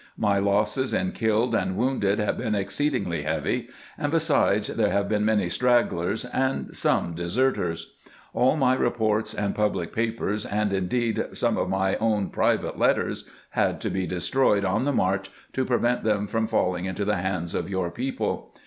" My losses in killed and wounded have been exceedingly heavy, and, besides, there have been many stragglers and some deserters. All my reports and public papers, and indeed some of my own private CONDUCTING THE SURRENDER 483 letters, had to be destroyed on the march to prevent them from falling into the hands of your people.